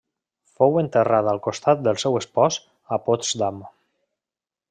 Fou enterrada al costat del seu espòs a Potsdam.